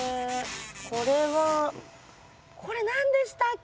これはこれ何でしたっけ？